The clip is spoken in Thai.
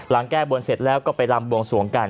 แก้บนเสร็จแล้วก็ไปลำบวงสวงกัน